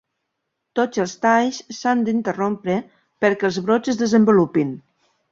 Tots els talls s'han d'interrompre perquè els brots es desenvolupin.